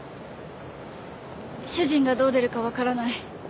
主人がどう出るかわからない。